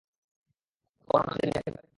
কর্ণ নাম দিয়ে দুনিয়াকে ধোঁকা দিতে পারবে।